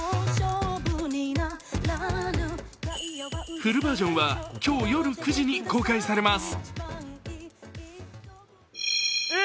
フルバージョンは今日夜９時に公開されます。